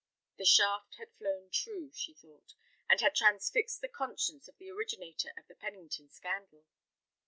The shaft had flown true, she thought, and had transfixed the conscience of the originator of the Pennington scandal.